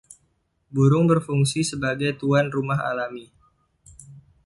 Burung berfungsi sebagai tuan rumah alami.